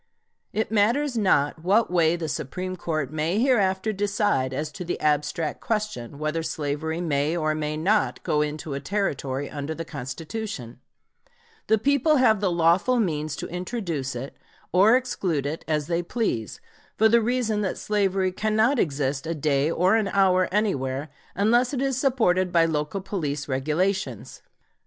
It matters not what way the Supreme Court may hereafter decide as to the abstract question whether slavery may or may not go into a Territory under the Constitution, the people have the lawful means to introduce it or exclude it, as they please, for the reason that slavery cannot exist a day or an hour anywhere, unless it is supported by local police regulations.